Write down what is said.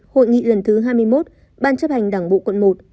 hội nghị lần thứ hai mươi một ban chấp hành đảng bộ quận một